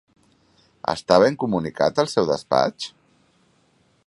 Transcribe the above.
Està ben comunicat el seu despatx?